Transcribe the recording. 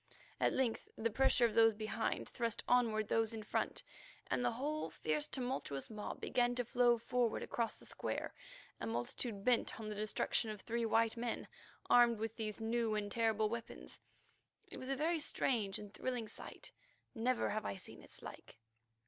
At length the pressure of those behind thrust onward those in front, and the whole fierce, tumultuous mob began to flow forward across the square, a multitude bent on the destruction of three white men, armed with these new and terrible weapons. It was a very strange and thrilling sight; never have I seen its like.